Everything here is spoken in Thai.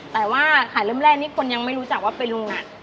แต่ว่าขายเริ่มแรกนี่คนยังไม่รู้จักว่าเป็นโรงงาน